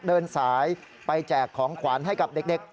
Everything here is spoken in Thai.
เดินสายไปแจกของขวัญให้กับเด็ก